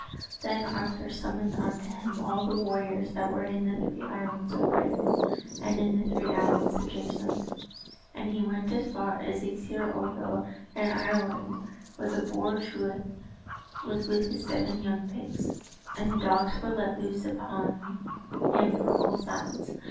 Then Arthur summoned unto him all the warriors that were in the three islands of Britain and in the three islands adjacent; and he went as far as Esgeir Oervel in Ireland where the Boar Truith was with his seven young pigs. And the dogs were let loose upon him from all sides.